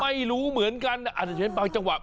ไม่รู้เหมือนกันอาจจะเห็นบางจังหวะ